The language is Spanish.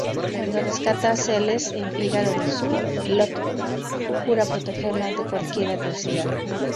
Cuando rescata a Celes en "Fígaro del Sur", Locke jura protegerla ante cualquier adversidad.